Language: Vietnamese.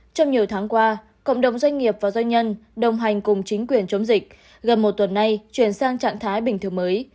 trong nhiều tháng qua cộng đồng doanh nghiệp và doanh nhân đồng hành cùng chính quyền chống dịch gần một tuần nay chuyển sang trạng thái bình thường mới